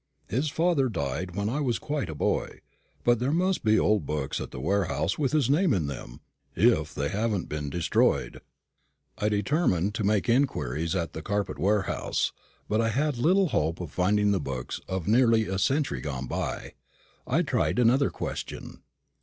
His father died when I was quite a boy; but there must be old books at the warehouse with his name in them, if they haven't been destroyed." I determined to make inquiries at the carpet warehouse; but I had little hope of finding the books of nearly a century gone by. I tried another question.